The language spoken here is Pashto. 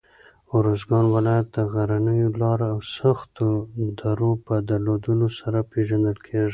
اروزګان ولایت د غرنیو لاره او سختو درو په درلودلو سره پېژندل کېږي.